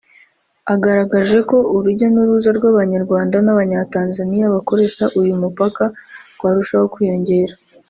agaragaje ko urujya n’uruza rw’Abanyarwanda n’Abanyatanzaniya bakoresha uyu mupaka rwarushaho kwiyongera